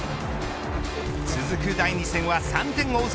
続く第２戦は３点を追う